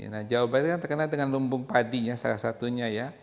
nah jawa barat kan terkenal dengan lumbung padi ya salah satunya ya